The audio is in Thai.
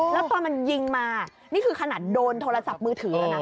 แล้วตอนมันยิงมานี่คือขนาดโดนโทรศัพท์มือถือแล้วนะ